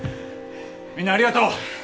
みんなありがとう！